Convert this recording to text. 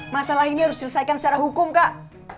masalah ini harus diselesaikan secara hukum kak